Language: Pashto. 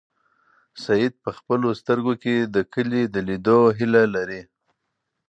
سعید په خپلو سترګو کې د کلي د لیدلو هیله لري.